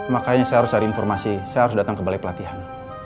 makanya saya harus cari informasi saya harus datang ke balai pelatihan